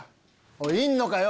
おいいんのかよ！